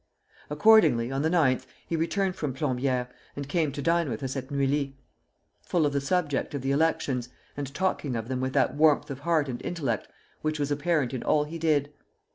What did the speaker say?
Accordingly, on the 9th he returned from Plombières, and came to dine with us at Neuilly, full of the subject of the elections, and talking of them with that warmth of heart and intellect which was apparent in all he did.